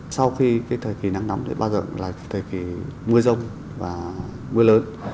sau khi cái thời kỳ nắng nóng thì bao giờ là thời kỳ mưa rông và mưa lớn